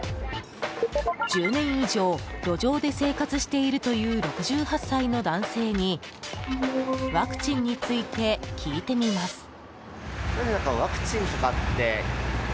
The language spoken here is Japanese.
１０年以上路上で生活しているという６８歳の男性にワクチンについて聞いてみます。